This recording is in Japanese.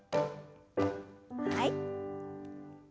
はい。